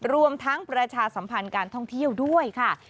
รวมทั้งประชาสัมพันธ์การท่องเที่ยวด้วยค่ะ